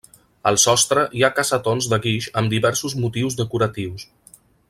Al sostre hi ha cassetons de guix amb diversos motius decoratius.